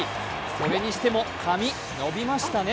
そにしても髪、伸びましたね。